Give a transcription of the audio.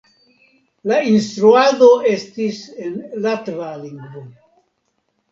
La instruado estis en latva lingvo.